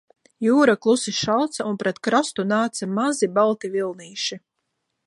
Jūra klusi šalca un pret krastu nāca mazi, balti vilnīši